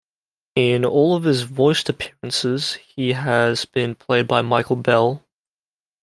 In all of his voiced appearances, he has been played by Michael Bell.